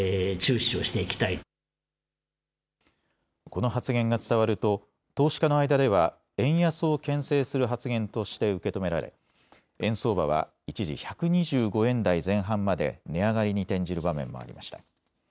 この発言が伝わると投資家の間では円安をけん制する発言として受け止められ円相場は一時１２５円台前半まで値上がりに転じる場面もありました。